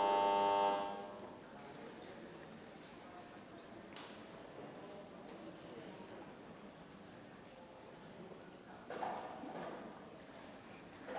ออกรางวัลเลขหน้า๓ตัวครั้งที่๑ค่ะ